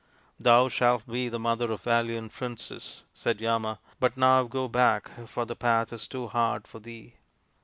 " Thou shalt be the mother of valiant princes," said Yama ;" but now go back, for the path is too hard for thee."